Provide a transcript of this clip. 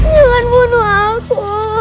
jangan bunuh aku